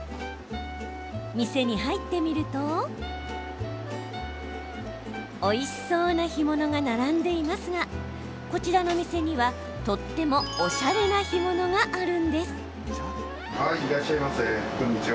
店に入ってみるとおいしそうな干物が並んでいますがこちらのお店にはとってもおしゃれな干物があるんです。